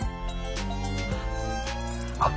あっ。